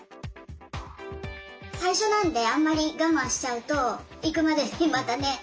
最初なんであんまり我慢しちゃうと行くまでにまたね